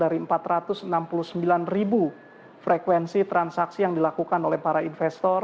di mana setiap hari tercatat rata rata tidak kurang dari empat ratus enam puluh sembilan ribu frekuensi transaksi yang dilakukan oleh para investor